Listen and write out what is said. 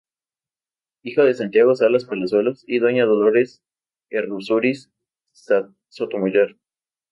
Hijo de "Santiago de Salas Palazuelos" y doña "Dolores Errázuriz Sotomayor".